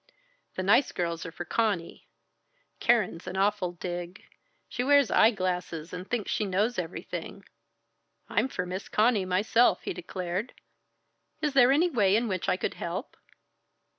The nice girls are for Conny. Keren's an awful dig. She wears eye glasses and thinks she knows everything." "I'm for Miss Conny myself," he declared. "Is there any way in which I could help?"